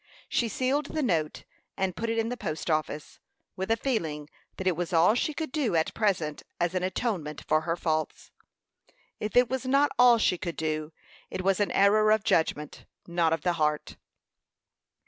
She sealed the note, and put it in the post office, with a feeling that it was all she could do at present as an atonement for her faults. If it was not all she could do, it was an error of judgment, not of the heart.